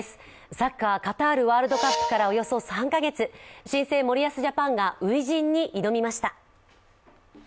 サッカー、カタールワールドカップから３か月新生・森保ジャパンが初陣に挑みました。